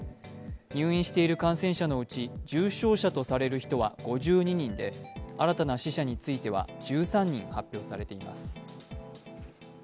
入院している感染者のうち重症者とされる人は５２人で新たな死者については１３人発表されています。